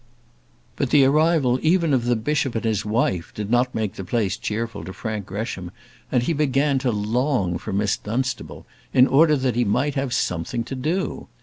But the arrival even of the bishop and his wife did not make the place cheerful to Frank Gresham, and he began to long for Miss Dunstable, in order that he might have something to do.